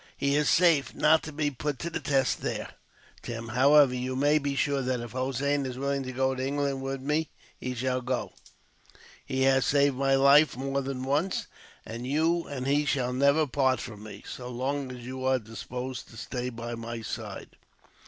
"He is safe not to be put to the test there, Tim. However, you may be sure that if Hossein is willing to go to England with me, he shall go. He has saved my life more than once; and you and he shall never part from me, so long as you are disposed to stay by my side."